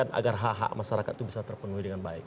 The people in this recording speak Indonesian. agar hak hak masyarakat itu bisa terpenuhi dengan baik